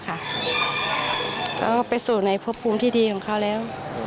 ก็ไปสู่ในพบภูมิที่ดีของเขาแล้ว